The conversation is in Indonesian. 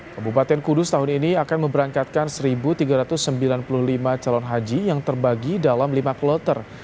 kabupaten kudus tahun ini akan memberangkatkan satu tiga ratus sembilan puluh lima calon haji yang terbagi dalam lima kloter